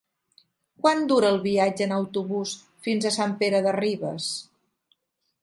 Quant dura el viatge en autobús fins a Sant Pere de Ribes?